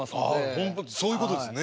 本当そういうことですね。